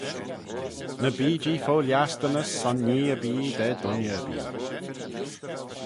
Ny bee-jee fo lhiastynys son nhee erbee da dooinney erbee.